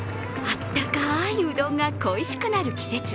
あったかいうどんが恋しくなる季節。